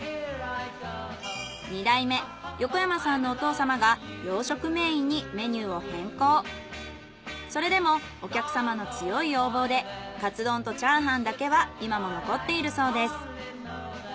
２代目横山さんのお父様がそれでもお客様の強い要望でかつ丼とチャーハンだけは今も残っているそうです。